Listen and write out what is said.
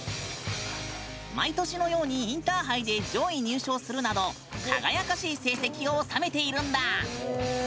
毎年のようにインターハイで上位入賞するなど輝かしい成績を収めているんだ。